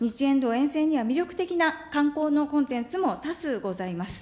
沿線には、魅力的な観光のコンテンツも多数ございます。